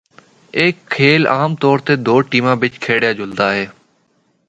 اے کھیل عام طور تے دو ٹیماں بچ کھیڈیا جلدا اے۔